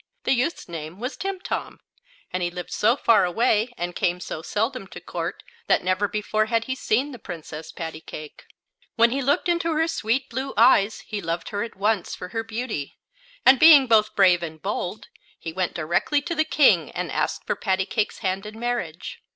The youth's name was Timtom, and he lived so far away and came so seldom to court that never before had he seen the Princess Pattycake. When he looked into her sweet, blue eyes he loved her at once for her beauty, and being both brave and bold he went directly to the King and asked for Pattycake's hand in marriage.